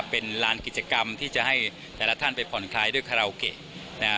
เป็นลานกิจกรรมที่จะให้แต่ละท่านไปผ่อนคลายด้วยคาราโอเกะนะฮะ